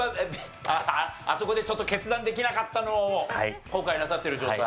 あああそこでちょっと決断できなかったのを後悔なさってる状態。